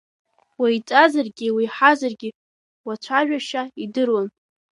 Уеиҵазаргьы, уеиҳазаргьы уацәажәашьа идыруан.